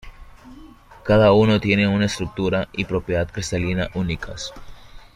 Cada uno tiene una estructura y propiedad cristalina únicas.